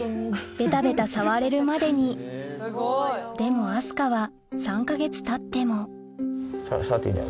ベタベタ触れるまでにでも明日香は３か月たってもシャって言うんじゃ。